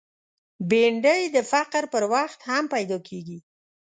بېنډۍ د فقر پر وخت هم پیدا کېږي